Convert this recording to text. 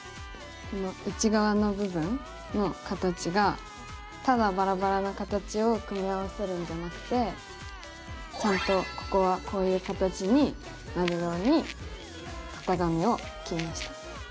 この内側の部分の形がただバラバラな形を組み合わせるんじゃなくてちゃんとここはこういう形になるように型紙を切りました。